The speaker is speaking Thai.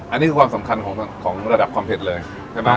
อันนี้คือความสำคัญของระดับความเผ็ดเลยใช่ไหม